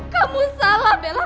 kamu salah bella